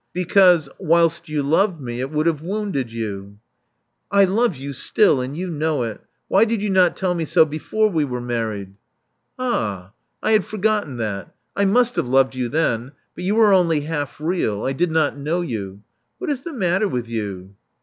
Because, whilst you loved me, it would have wounded you." I love you still; and you know it. Why did you not tell me so before we were married?" 4IO Love Among the Artists Ah, I had forgotten that. I must have loved you then. But you were only half real: I did not know you. What is the matter with you?"